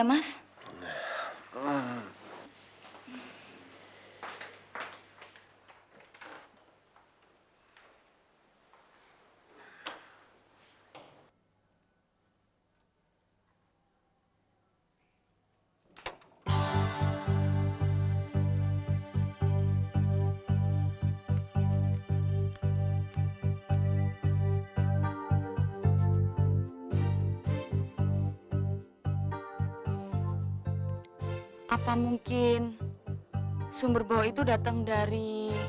apa mungkin sumber bau itu datang dari